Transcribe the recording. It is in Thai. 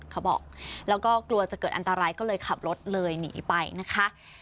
เขาบอกแล้วก็กลัวจะเกิดอันตรายก็เลยขับรถเลยหนีไปนะคะ